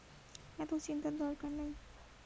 এতো চিন্তার দরকার নেই!